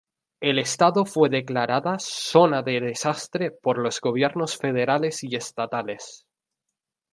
El estado fue declarada zona de desastre por los gobiernos federales y estatales.